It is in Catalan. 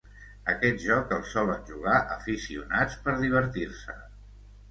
Aquest joc el solen jugar aficionats per divertir-se.